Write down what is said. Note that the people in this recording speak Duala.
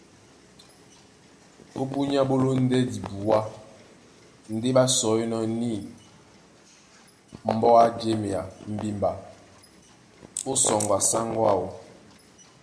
Ó búnyá ɓó lóndɛ́ dibuá ndé ɓá sɔínɔ̄ nîn mbɔ́ á jěmea mbimba ó sɔŋgɔ a sáŋgó áō.